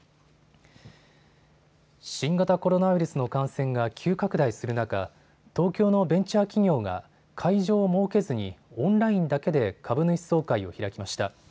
新型コロナウイルスの感染が急拡大する中、東京のベンチャー企業が会場を設けずにオンラインだけで株主総会を開きました。